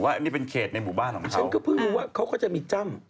อันนี้เป็นเขตในหมู่บ้านของฉันก็เพิ่งรู้ว่าเขาก็จะมีจ้ำ